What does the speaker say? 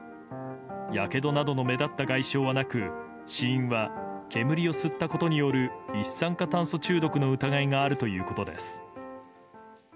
やけどなどの目立った外傷はなく死因は、煙を吸ったことによる一酸化炭素中毒の疑いがあるということです。